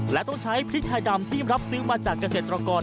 และต้องใช้พริกไทยดำที่รับซื้อมาจากเกษตรกร